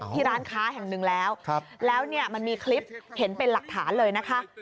ที่ร้านค้าแห่งหนึ่งแล้วแล้วเนี่ยมันมีคลิปเห็นเป็นหลักฐานเลยนะคะ